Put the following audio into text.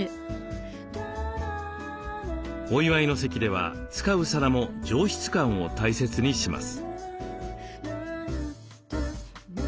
お祝いの席では使う皿も上質感を大切にします。